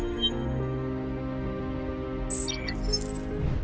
yang mendukung pertumbuhan ekonomi dalam rangka pembayaran